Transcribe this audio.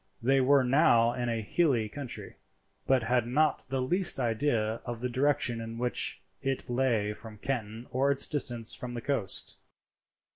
They were now in a hilly country, but had not the least idea of the direction in which it lay from Canton or its distance from the coast.